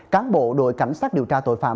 cán bộ đội cảnh sát điều tra tội phạm